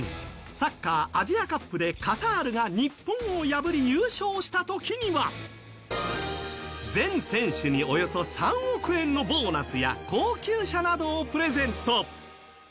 サッカーアジアカップでカタールが日本を破り優勝した時には全選手におよそ３億円のボーナスや高級車などをプレゼント。